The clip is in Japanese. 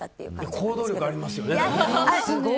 行動力ありますよね。